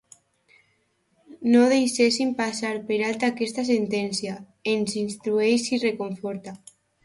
No deixéssim passar per alt aquesta sentència: ens instrueix i reconforta.